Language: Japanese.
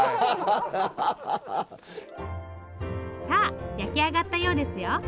さあ焼き上がったようですよ。